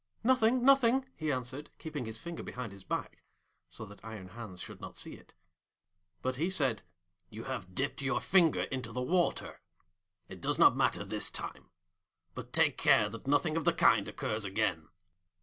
'Nothing, nothing!' he answered, keeping his finger behind his back, so that Iron Hans should not see it. But he said, 'You have dipped your finger into the water. It does not matter this time, but take care that nothing of the kind occurs again.'